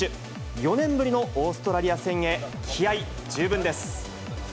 ４年ぶりのオーストラリア戦へ、気合い十分です。